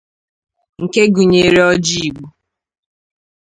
nke gụnyere ọjị Igbo